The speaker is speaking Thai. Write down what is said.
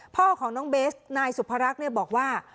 พี่สาวของน้องเบสนายสุภรักษณ์เนี่ยบอกว่า